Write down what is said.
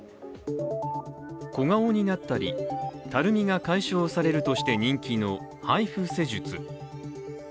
小顔になったり、たるみが解消されるとして人気のＨＩＦＵ施術。